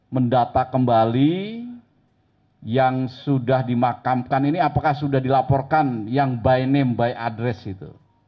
mendata kembali yang sudah dimakamkan ini apakah sudah dilaporkan yang by name by address itu